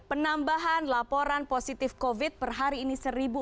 penambahan laporan positif covid sembilan belas per hari ini seribu empat puluh tiga